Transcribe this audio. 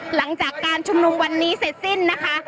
หลังจากการชุมนุมวันนี้เสร็จสิ้นนะคะ